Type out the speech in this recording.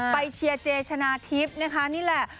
เชียร์เจชนะทิพย์นะคะนี่แหละ